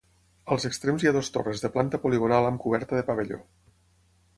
Als extrems hi ha dues torres de planta poligonal amb coberta de pavelló.